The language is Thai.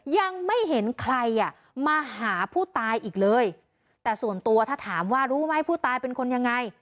ยังไม่เห็นใครอ่ะมาหาผู้ตายอีกเลยแต่ส่วนตัวถ้าถามว่ารู้ไหมผู้ตายเป็นคนยังไง